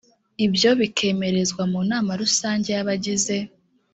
ibyo bikemerezwa mu nama rusange y’abagize